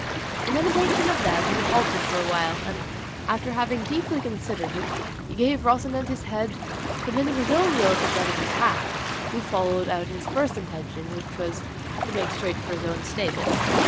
In imitation of them he halted for a while, and after having deeply considered it, he gave Rocinante his head, submitting his own will to that of his hack, who followed out his first intention, which was to make straight for his own stable.